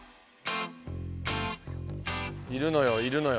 いるのよいるのよ。